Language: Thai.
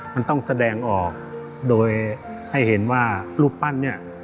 มันต้องแสดงออกโดยให้เห็นว่ารูปปั้นเนี่ย